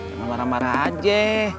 jangan marah marah aja